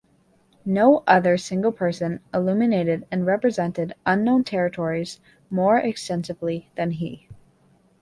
No other single person illuminated and represented unknown territories more extensively than he.